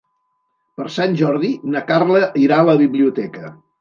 Per Sant Jordi na Carla irà a la biblioteca.